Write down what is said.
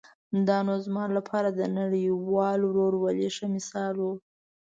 دا نو زما لپاره د نړیوال ورورولۍ ښه مثال و.